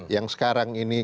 yang sekarang ini